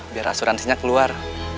biar asuransinya keluar